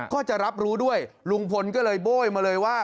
ก็จะรับรู้ด้วยลุงพลก็เลยโบ้ยมาเลยว่า